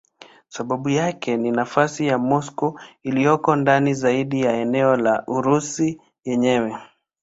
Sababu yake ni nafasi ya Moscow iliyoko ndani zaidi ya eneo la Urusi yenyewe.